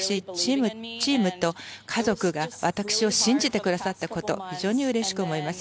チームと家族が私を信じてくださったこと非常にうれしく思います。